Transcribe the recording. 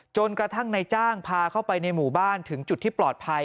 จนกระทั่งในจ้างพาเข้าไปในหมู่บ้านถึงจุดที่ปลอดภัย